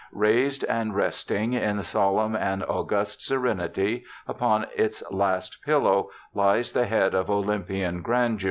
Raised and resting, in solemn and august serenity, upon its last pillow, lies that head of Olympian grandeur.